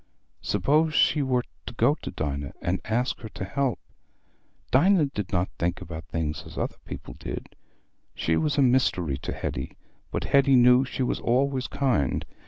Suppose she were to go to Dinah, and ask her to help her? Dinah did not think about things as other people did. She was a mystery to Hetty, but Hetty knew she was always kind.